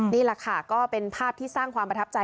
นี่แหละค่ะก็เป็นภาพที่สร้างความประทับใจ